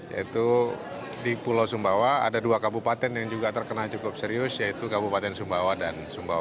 yaitu di pulau sumbawa ada dua kabupaten yang juga terkena cukup serius yaitu kabupaten sumbawa dan sumbawa